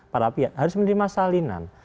para pihak harus menerima salinan